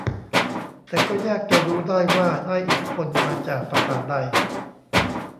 แต่ก็ยากจะรู้ได้ว่าได้อิทธิพลมาจากภาษาใด